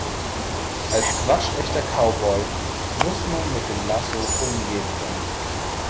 Als waschechter Cowboy muss man mit dem Lasso umgehen können.